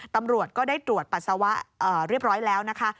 ตำรวจก็ได้ตรวจปัสสาวะเรียบร้อยแล้วนะคะ